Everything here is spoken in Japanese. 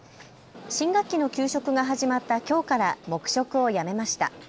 新学期の給食が始まったきょうから黙食をやめました。